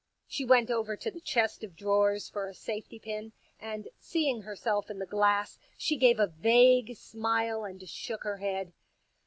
She went over to the chest of drawers for a safety pin, and seeing herself in the glass she gave a vague smile and shook her head.